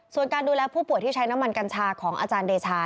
ส่วนการดูแลผู้ป่วยที่ใช้น้ำมันกัญชาของอาจารย์เดชา